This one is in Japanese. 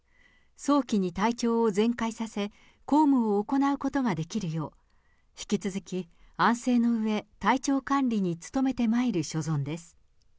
早期に体調を全快させ、公務を行うことができるよう、引き続き安静のうえ、体調管理に努めてまいる所存です。